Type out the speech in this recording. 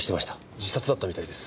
自殺だったみたいです。